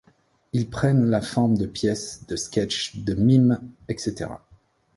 Ils prennent la forme de pièces, de sketchs, de mimes, etc.